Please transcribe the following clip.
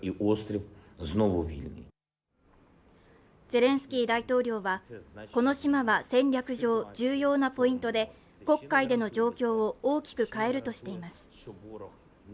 ゼレンスキー大統領は、この島は戦略上、重要なポイントで、黒海での状況を大きく変えるとしています。